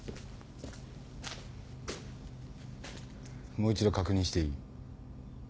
もう一度確認していい？